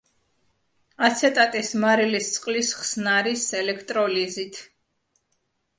აცეტატის მარილის წყლის ხსნარის ელექტროლიზით.